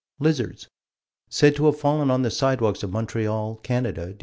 Lizards said to have fallen on the sidewalks of Montreal, Canada, Dec.